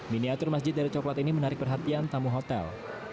miniatur masjid dari coklat ini menarik perhatian tamu hotel